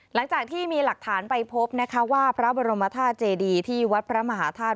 หลังจากที่มีหลักฐานไปพบนะคะว่าพระบรมธาตุเจดีที่วัดพระมหาธาตุ